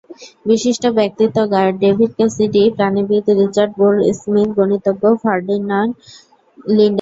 বিশিষ্ট ব্যক্তিত্ব—গায়ক David Cassidy, প্রাণীবিদ রিচার্ড গোল্ড স্মিথ, গণিতজ্ঞ ফার্ডিনান্ড লিন্ডেম্যান।